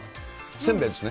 せんべいですね。